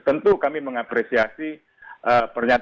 tentu kami mengapresiasi pernyataan